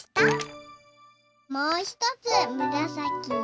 もうひとつむらさき